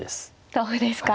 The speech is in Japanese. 同歩ですか。